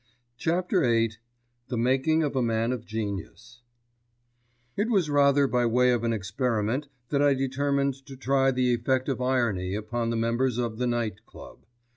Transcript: *CHAPTER VIII* *THE MAKING OF A MAN OF GENIUS* It was rather by way of an experiment that I determined to try the effect of irony upon the members of the Night Club.